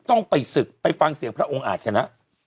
ต้องไปศึกไปฟังเสียงพระองค์อาจกันฮะ